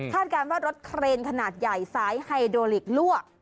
การว่ารถเครนขนาดใหญ่สายไฮโดลิกลั่ว